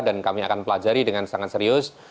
dan kami akan pelajari dengan sangat serius